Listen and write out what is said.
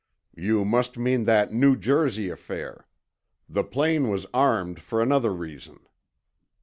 You must mean that New Jersey affair. The plane was armed for another reason.